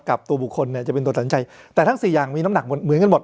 กับตัวบุคคลเนี่ยจะเป็นตัวสัญชัยแต่ทั้งสี่อย่างมีน้ำหนักหมดเหมือนกันหมด